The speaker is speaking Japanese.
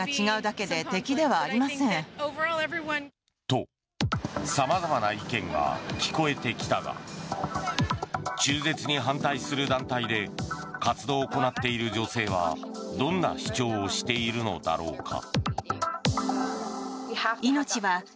と、さまざまな意見が聞こえてきたが中絶に反対する団体で活動を行っている女性はどんな主張をしているのだろうか。